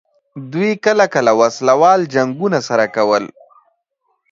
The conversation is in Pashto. دوی کله کله وسله وال جنګونه سره کول.